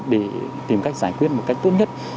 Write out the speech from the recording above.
để tìm cách giải quyết một cách tốt nhất